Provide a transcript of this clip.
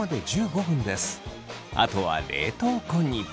あとは冷凍庫に。